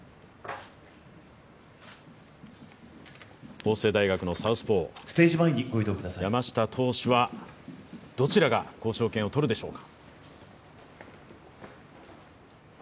法政大学のサウスポー・山下投手はどちらが交渉権を取るでしょうか？